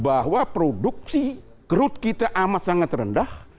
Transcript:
bahwa produksi crut kita amat sangat rendah